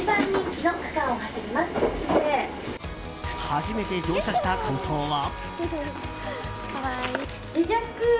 初めて乗車した感想は。